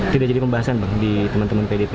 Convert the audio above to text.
tidak jadi pembahasan bang di teman teman pdp